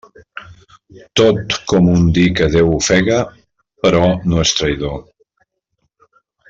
Tot com un dir que Déu ofega, però no és traïdor.